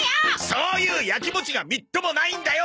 そういうやきもちがみっともないんだよ！